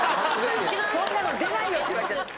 そんなの出ないよ！って言われて。